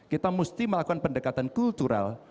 kita mesti melakukan pendekatan kultural